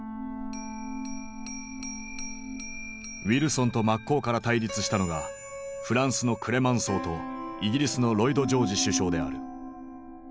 ウィルソンと真っ向から対立したのがフランスのクレマンソーとイギリスのロイド・ジョージ首相である。